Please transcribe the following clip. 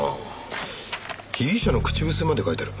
被疑者の口癖まで書いてある。